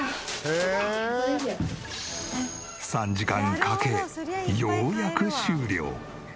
３時間かけようやく終了。